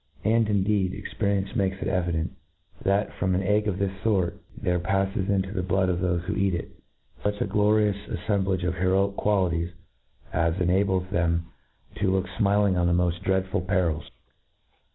And, indeed, e;Kperience makes it evident, that, from an egg of tliis fort, there paiTcs into the Wood of thofe who. eat it, fuch a glorious af fcmblage of heroic qualities, as enables them to , look fmiling on the moft dreadful perils.